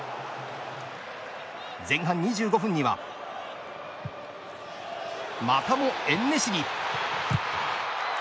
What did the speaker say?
前半２５分にはまたもエンネシリ！